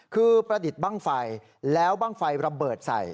คือประดิษฐ์บ้างไฟแล้วบ้างไฟระเบิดใส่